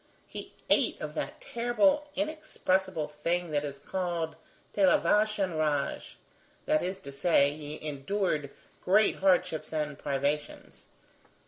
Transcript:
He ate of that terrible, inexpressible thing that is called de la vache enragé; that is to say, he endured great hardships and privations.